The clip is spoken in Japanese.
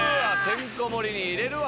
てんこ盛りに入れるわ！